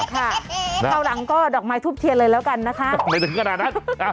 คราวหลังก็ดอกไม้ทูบเทียนเลยแล้วกันนะคะไม่ถึงขนาดนั้น